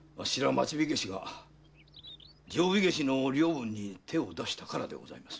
町火消しが定火消しの領分に手を出したからでございます。